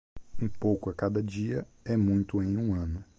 Um pouco a cada dia é muito em um ano.